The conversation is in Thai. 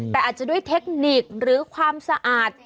แต่อาจจะด้วยเทคนิคหรือความสะอาด